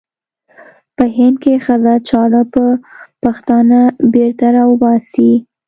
په هند کې ښخه چاړه به پښتانه بېرته را وباسي.